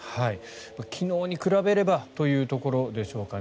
昨日に比べればというところですかね。